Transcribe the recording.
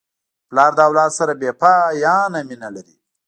پلار د اولاد سره بېپایانه مینه لري.